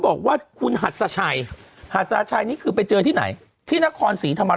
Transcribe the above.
บอกว่าเขาหัตถรชัยหัตถรชัยไปเจอที่ไหนที่นครศรีธรรมระลาศ